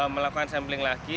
melakukan sampling lagi